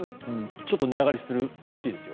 ちょっと値上がりするらしいですよ。